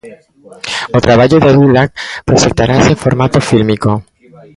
O traballo de Dulac proxectarase en formato fílmico.